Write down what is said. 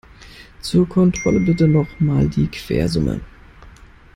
Zur Kontrolle bitte noch mal die Quersumme.